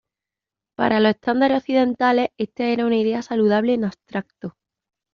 Para los estándares occidentales, esta era una idea saludable en abstracto.